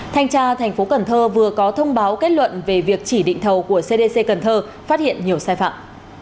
thanh tra tp hcm vừa có thông báo kết luận về việc chỉ định thầu của cdc cần thơ phát hiện nhiều sai phạm